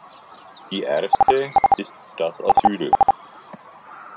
Die erste ist das Asyl.